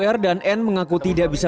r dan n mengaku tidak bisa